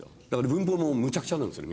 文法もむちゃくちゃなんですよ